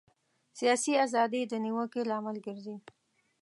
سیاسي ازادي د نیوکې لامل ګرځي.